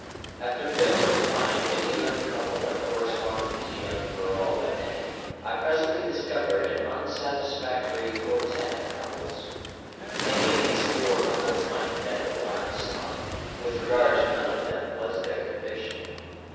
After failing to find any young couple that corresponded to young Verrall and Nettie, I presently discovered an unsatisfactory quartette of couples. Any of these four couples might have been the one I sought; with regard to none of them was there conviction.